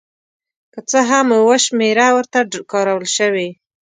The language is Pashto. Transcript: که څه هم اوه شمېره ورته کارول شوې.